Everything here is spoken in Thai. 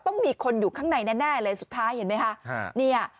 ต้องมีคนอยู่ข้างในแน่เลยสุดท้ายเห็นไหมคะเนี่ย